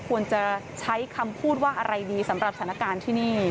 ควรจะใช้คำพูดว่าอะไรดีสำหรับสถานการณ์ที่นี่